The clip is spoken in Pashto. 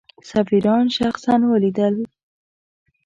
سفیران شخصا ولیدل.